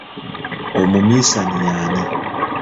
Omumiisani yani?